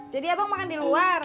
jadi abang makan di luar